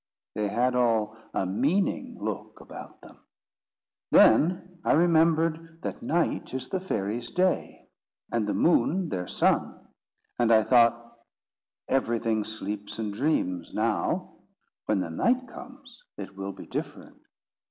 They had all a meaning look about them. Then I remembered that night is the fairies' day, and the moon their sun; and I thought—Everything sleeps and dreams now: when the night comes, it will be different.